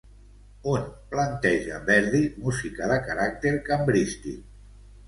On planteja Verdi música de caràcter cambrístic?